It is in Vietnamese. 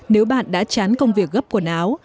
nếu bạn đã chán công việc gấp quần áo